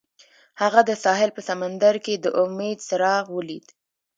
هغه د ساحل په سمندر کې د امید څراغ ولید.